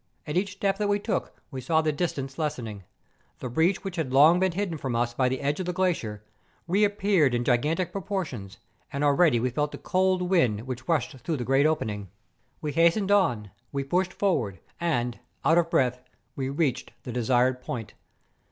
At each step that we took, we saw the distance lessening. The breach which had long been hidden from us by MONT PERDU. 137 the edge of the glacier, reappeared in gigantic pro¬ portions, and already we felt the cold wind which rushed through the great opening. We hastened on, we pushed forward, and, out of breath, we reached the desired point.